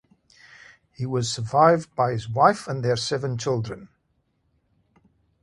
He was survived by his wife and their seven children.